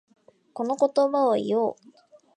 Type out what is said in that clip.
この言葉を言おう。